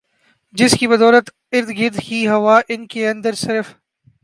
جس کی بدولت ارد گرد کی ہوا ان کے اندر صرف